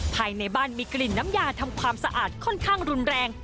ภายในบ้านมีกลิ่นน้ำยาทำความสะอาดค่อนข้างรุนแรง